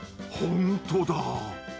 ほんとだあ。